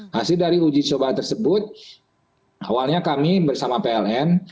hasil dari uji coba tersebut awalnya kami bersama pln